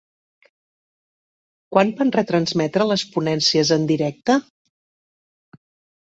Quan van retransmetre les ponències en directe?